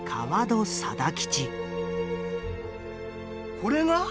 「これが？